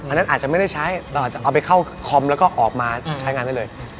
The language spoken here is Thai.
อันนั้นอาจจะไม่ได้ใช้เราอาจจะเอาไปเข้าคอมแล้วก็ออกมาใช้งานได้เลย